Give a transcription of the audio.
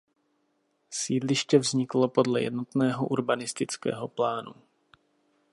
Sídliště vzniklo podle jednotného urbanistického plánu.